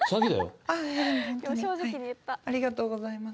ありがとうございます。